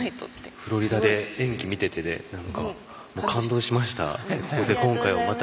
フロリダで演技見てて感動しました。